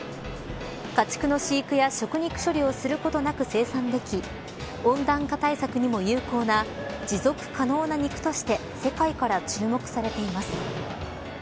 家畜の飼育や食肉処理をすることなく生産でき温暖化対策にも有効な持続可能な肉として世界から注目されています。